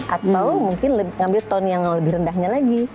atau mungkin ngambil ton yang lebih rendahnya lagi